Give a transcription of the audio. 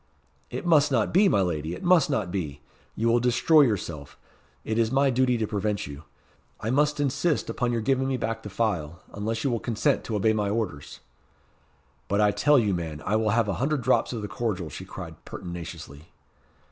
"It must not be, my lady it must not be. You will destroy yourself. It is my duty to prevent you. I must insist upon your giving me back the phial, unless you will consent to obey my orders." "But I tell you, man, I will have a hundred drops of the cordial," she cried pertinaciously.